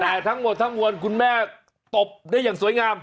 แต่ทั้งหมดทั้งมวลคุณแม่ตบได้อย่างสวยงาม